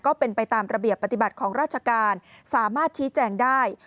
ก็เป็นไปตามระเบียบปฏิบัติของราชการสามารถชี้แจงได้